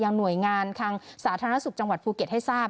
หน่วยงานทางสาธารณสุขจังหวัดภูเก็ตให้ทราบ